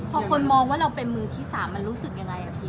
พอคนมองว่าเราเป็นมือที่๓มันรู้สึกยังไงพี่